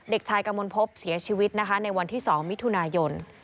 เด็กชายกมลพบเสียชีวิตนะคะในวันที่๒มิถุนายน